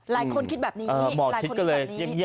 หลายคนคิดแบบนี้มาที่ก่อนนี้